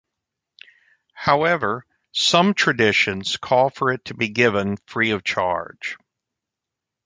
However, some traditions call for it to be given free of charge.